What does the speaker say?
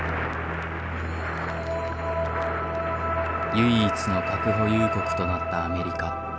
唯一の核保有国となったアメリカ。